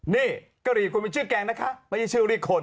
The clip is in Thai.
นี่กะหรี่คุณเป็นชื่อแกงนะคะไม่ใช่ชื่อเรียกคน